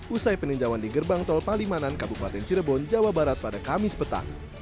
usai peninjauan di gerbang tol palimanan kabupaten cirebon jawa barat pada kamis petang